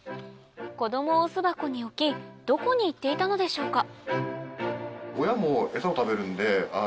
子供を巣箱に置きどこに行っていたのでしょうか？